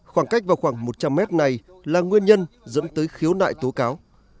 khoảng cách vào khoảng một trăm linh mét này là nguyên nhân dẫn tới khiếu nại tố cáo